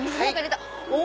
お！